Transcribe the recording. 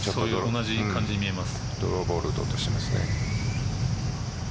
同じ感じに見えます。